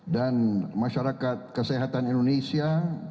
dan masyarakat kesehatan indonesia